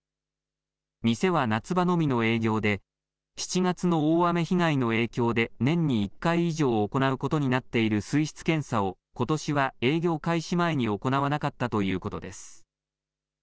店は夏場のみの営業で７月の大雨被害の影響で年に１回以上行うことになっている水質検査をことしは営業開始前に行わなかったということです。